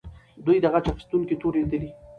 دوی د غچ اخیستونکې تورې لیدلې.